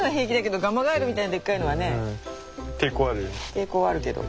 抵抗はあるけど。